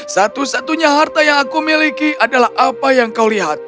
satu satunya harta yang aku miliki adalah apa yang kau lihat